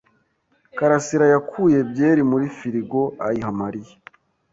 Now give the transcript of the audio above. Karasirayakuye byeri muri firigo ayiha Mariya.